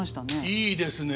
いいですね